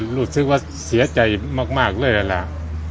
หนูสึกว่าเสียใจมากว่านี่